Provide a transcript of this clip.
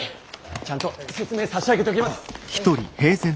ちゃんと説明差し上げときます！